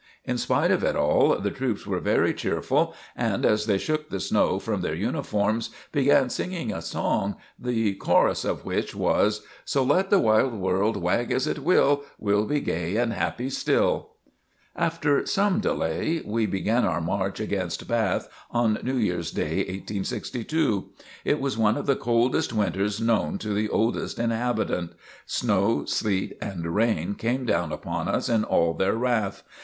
In spite of it all, the troops were very cheerful, and as they shook the snow from their uniforms, began singing a song, the chorus of which was: "So let the wide world wag as it will, We'll be gay and happy still!" After some delay we began our march against Bath on New Year's day 1862. It was one of the coldest winters known to the oldest inhabitant. Snow, sleet and rain came down upon us in all their wrath.